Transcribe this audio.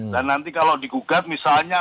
dan nanti kalau di gugat misalnya